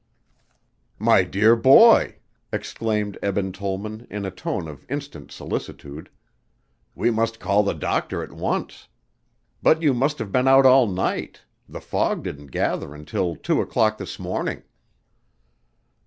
"My dear boy!" exclaimed Eben Tollman in a tone of instant solicitude. "We must call the doctor at once. But you must have been out all night. The fog didn't gather until two o'clock this morning."